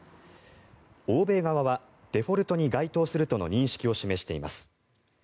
欧米側はデフォルトに該当するとの認識を示しています。